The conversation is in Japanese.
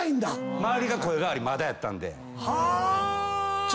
周りが声変わりまだやったんで。